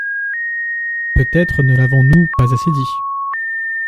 Peut-être ne l’avons-nous pas assez dit.